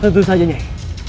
tentu saja nyai